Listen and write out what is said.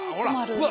うわ。